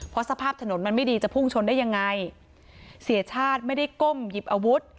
เพราะสภาพถนนมันไม่ดีจะพุ่งชนได้ยังไงเสียชาติไม่ได้ก้มหยิบอาวุธ